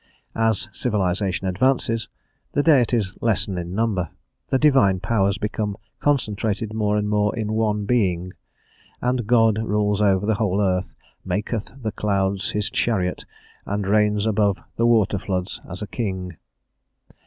As civilisation advances, the deities lessen in number, the divine powers become concentrated more and more in one Being, and God rules over the whole earth, maketh the clouds his chariot, and reigns above the waterfloods as a king.